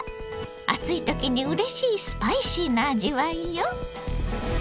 暑い時にうれしいスパイシーな味わいよ。